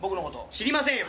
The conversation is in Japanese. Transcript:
知りませんよ。